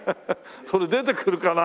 そんで出てくるかな？